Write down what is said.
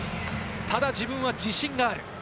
ただ自分は自信がある。